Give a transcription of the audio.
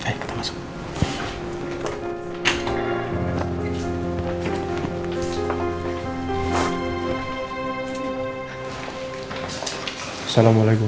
siap saja pujianmu besar